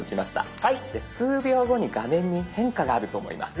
数秒後に画面に変化があると思います。